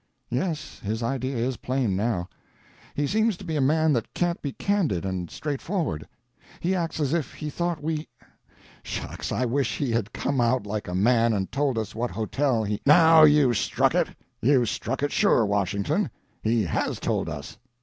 "Yes, his idea is plain, now. He seems to be a man that can't be candid and straightforward. He acts as if he thought we—shucks, I wish he had come out like a man and told us what hotel he—" "Now you've struck it! you've struck it sure, Washington; he has told us."